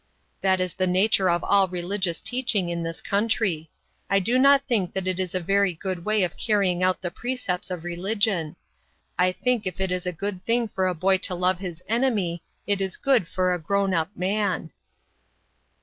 That is the nature of all religious teaching in this country. I do not think that that is a very good way of carrying out the precepts of religion. I think if it is a good thing for a boy to love his enemy, it is good for a grown up man."